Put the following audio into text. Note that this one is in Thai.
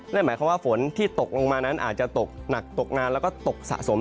นั่นหมายความว่าฝนที่ตกลงมานั้นอาจจะตกหนักตกนานแล้วก็ตกสะสม